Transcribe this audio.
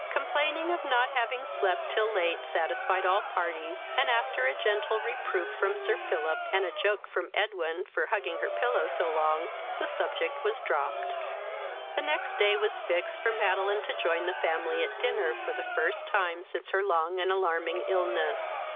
complaining of not having slept till late satisfied all parties, and, after a gentle reproof from Sir Philip, and a joke from Edwin for hugging her pillow so long, the subject was dropped. The next day was fixed for Madeline to join the family at dinner, for the first time since her long and alarming illness.